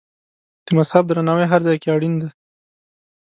د مذهب درناوی هر ځای کې اړین دی.